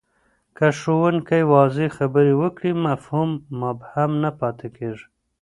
که ښوونکی واضح خبري وکړي، مفهوم مبهم نه پاتې کېږي.